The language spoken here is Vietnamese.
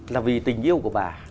là vì tình yêu của bà